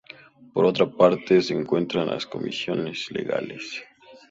Por otra parte, se encuentran las comisiones legales.